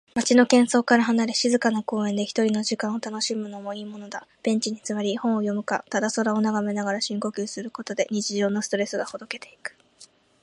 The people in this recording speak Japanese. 街の喧騒から離れ、静かな公園で一人の時間を楽しむのもいいものだ。ベンチに座り、本を読むか、ただ空を眺めながら深呼吸することで、日常のストレスがほどけていく。